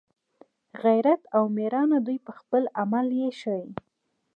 غیرت او میړانه دوی په خپل عمل یې ښایي